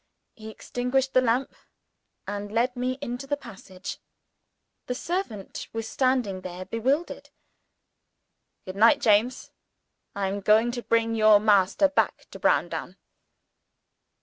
He extinguished the lamp, and led me into the passage. The servant was standing there bewildered. "Good night, James. I am going to bring your master back to Browndown."